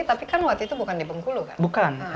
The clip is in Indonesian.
tapi kan waktu itu bukan di bengkulu